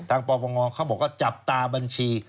ปปงเขาบอกว่าจับตาบัญชี